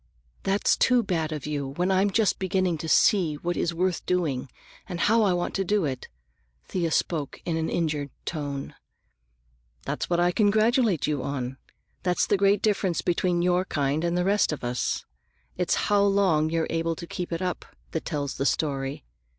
"That's too bad of you, when I'm just beginning to see what is worth doing, and how I want to do it!" Thea spoke in an injured tone. "That's what I congratulate you on. That's the great difference between your kind and the rest of us. It's how long you're able to keep it up that tells the story.